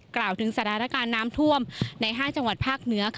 กล่าวถึงสถานการณ์น้ำท่วมใน๕จังหวัดภาคเหนือ